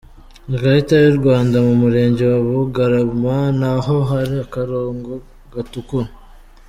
Ikarita y'u Rwanda: Mu murenge wa Bugarama ni aho hari akarango gatukura.